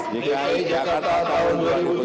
dki jakarta tahun dua ribu tujuh belas